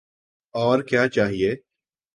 اور کیا چاہیے؟